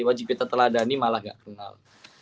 wajib kita teladani malah gak kenal